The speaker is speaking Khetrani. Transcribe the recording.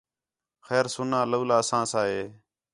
خیر سُنّا تولا اساں سا ہِے